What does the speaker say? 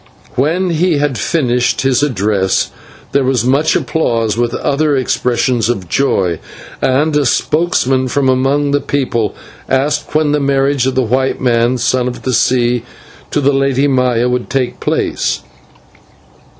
When he had finished his address there was much applause and other expressions of joy, and a spokesman from among the people asked when the marriage of the white man, Son of the Sea, to the Lady Maya, would take place.